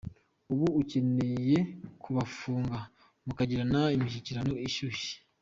ubu ukeneye kubafunga mukagirana imishyikirano ishyushye.